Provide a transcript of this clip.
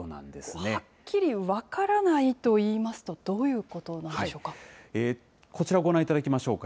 はっきり分からないといいますと、どういうことなんでしょうこちらをご覧いただきましょうか。